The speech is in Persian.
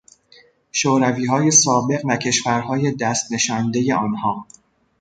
شورویهای سابق و کشورهای دست نشاندهی آنها